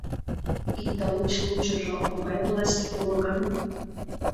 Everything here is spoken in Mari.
И тылеч лучыжо могай власть уло гын?